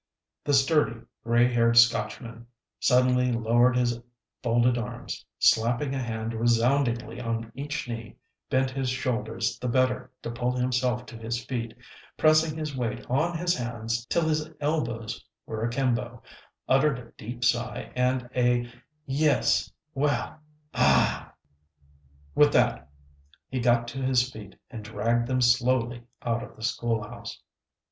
'" The sturdy, gray haired Scotchman suddenly lowered his folded arms, slapping a hand resoundingly on each knee, bent his shoulders the better to pull himself to his feet, pressing his weight on his hands till his elbows were akimbo, uttered a deep sigh and a, "Yes well ah!" With that he got to his feet and dragged them slowly out of the school house.